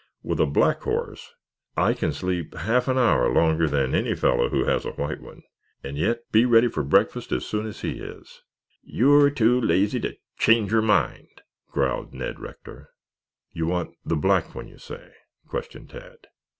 With a black horse I can sleep half an hour longer than any fellow who has a white one and yet be ready for breakfast as soon as he is." "You're too lazy to change your mind," growled Ned Rector. "You want the black one, you say?" questioned Tad.